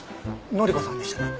乃里子さんでしたね。